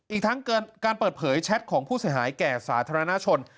อีกทั้งการเปิดเผยแชทของผู้เสียหายแก่สาธารณชน